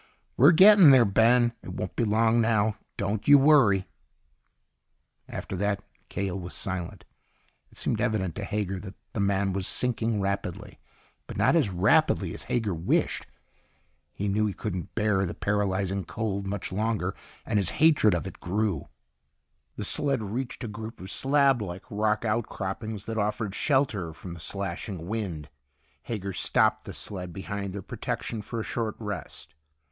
"We're getting there, Ben. It won't be long now. Don't you worry." After that Cahill was silent. It seemed evident to Hager that the man was sinking rapidly. But not as rapidly as Hager wished. He knew he couldn't bear the paralyzing cold much longer, and his hatred of it grew. The sled reached a group of slab like rock outcroppings that offered shelter from the slashing wind. Hager stopped the sled behind their protection for a short rest.